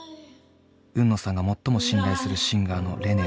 海野さんが最も信頼するシンガーのレネーさん。